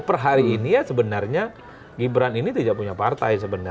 perhari ini sebenarnya gibran ini tidak punya partai